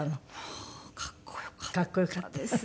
もうかっこよかったです。